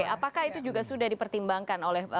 apakah itu juga sudah dipertimbangkan oleh